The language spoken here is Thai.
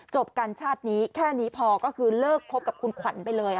จบกันชาตินี้แค่นี้พอก็คือเลิกคบกับคุณขวัญไปเลย